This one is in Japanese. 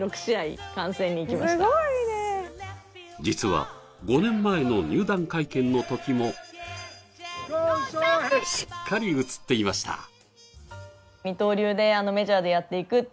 実は５年前の入団会見の時もしっかり写っていました